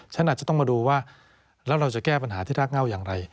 ฉันอาจจะต้องมาดูว่าแล้วเราจะแก้ปัญหาที่รากเง่าอย่างไร